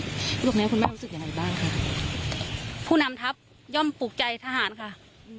รูปนี้คุณแม่รู้สึกยังไงบ้างคะผู้นำทัพย่อมปลูกใจทหารค่ะ